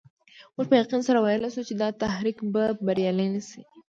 موږ په یقین سره ویلای شو چې دا تحریک به بریالی نه شي.